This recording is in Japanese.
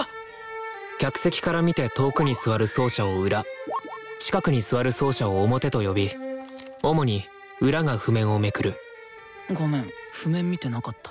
客席から見て遠くに座る奏者を「裏」近くに座る奏者を「表」と呼び主に「裏」が譜面をめくるごめん譜面見てなかった。